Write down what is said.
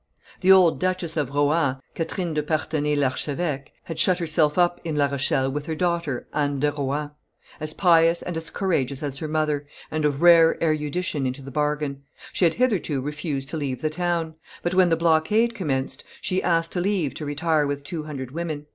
The old Duchess of Rohan (Catherine de Parthenay Larcheveque) had shut herself up in La Rochelle with her daughter Anne de Rohan, as pious and as courageous as her mother, and of rare erudition into the bargain; she had hitherto refused to leave the town; but, when the blockade commenced, she asked leave to retire with two hundred women.